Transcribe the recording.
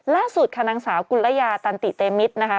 ล่าสุดคณังสาวฮตัญติเตมิตรนะคะ